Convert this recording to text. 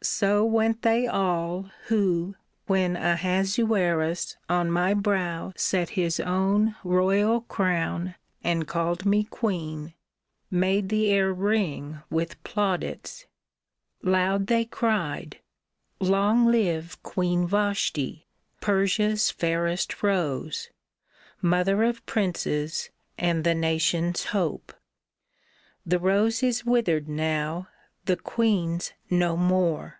So went they all Who, when Ahasuerus on my brow Set his own royal crown and called me queen. Made the air ring with plaudits ! Loud they cried, " Long live Queen Vashti, Persia's fairest Rose, Mother of Princes, and the nation's Hope !" The rose is withered now ; the queen's no more.